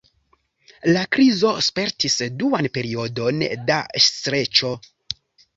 La krizo spertis duan periodon da streĉo.